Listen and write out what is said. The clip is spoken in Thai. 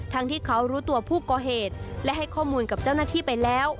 ทั้งที่เขารู้ตัวผู้ก่อเหตุและให้ข้อมูลกับเจ้าหน้าที่ไปแล้ว